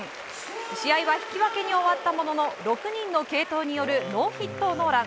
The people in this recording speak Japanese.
試合は引き分けに終わったものの６人の継投によるノーヒットノーラン。